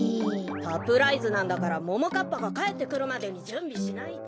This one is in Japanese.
サプライズなんだからももかっぱがかえってくるまでにじゅんびしないと。